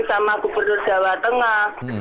sama gubernur jawa tengah